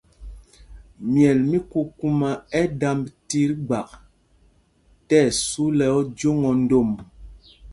Myɛl mí kukumá ɛ́ ɛ́ damb tit gbak tí ɛsu lɛ ojǒŋ o ndom.